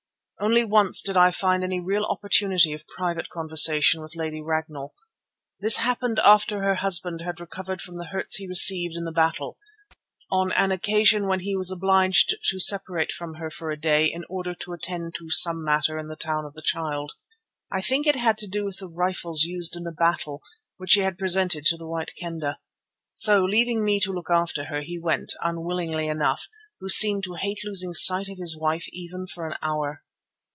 Only once did I find any real opportunity of private conversation with Lady Ragnall. This happened after her husband had recovered from the hurts he received in the battle, on an occasion when he was obliged to separate from her for a day in order to attend to some matter in the Town of the Child. I think it had to do with the rifles used in the battle, which he had presented to the White Kendah. So, leaving me to look after her, he went, unwillingly enough, who seemed to hate losing sight of his wife even for an hour.